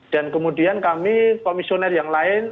dan kemudian kami komisioner yang lain